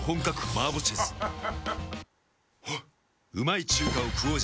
あっ。